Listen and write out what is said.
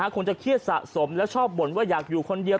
คงจะเครียดสะสมแล้วชอบบ่นว่าอยากอยู่คนเดียว